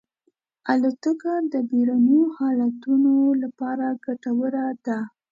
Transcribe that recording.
الوتکه د بېړنیو حالتونو لپاره ګټوره ده.